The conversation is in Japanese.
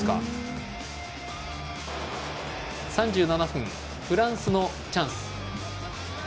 ３７分フランスのチャンス。